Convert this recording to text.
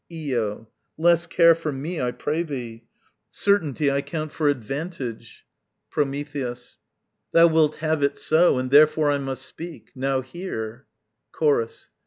Io. Less care for me, I pray thee. Certainty I count for advantage. Prometheus. Thou wilt have it so, And therefore I must speak. Now hear _Chorus.